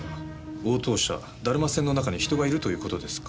「応答者だるま船の中に人がいるということですか？」